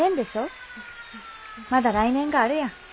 まだ来年があるやん。